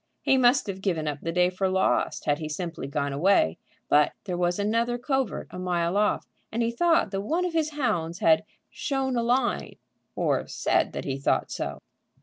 He must have given up the day for lost had he simply gone away. But there was another covert a mile off, and he thought that one of his hounds had "shown a line," or said that he thought so.